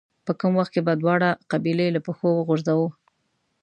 په کم وخت کې به دواړه قبيلې له پښو وغورځوو.